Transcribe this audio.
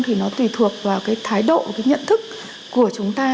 thì nó tùy thuộc vào cái thái độ cái nhận thức của chúng ta